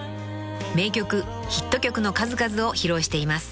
［名曲ヒット曲の数々を披露しています］